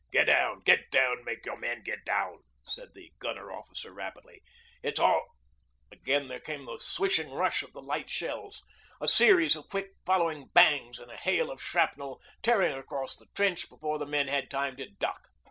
'Get down! get down! Make your men get down,' said the gunner officer rapidly. 'It's all ...' Again there came the swishing rush of the light shells, a series of quick following bangs, and a hail of shrapnel tearing across the trench, before the men had time to duck.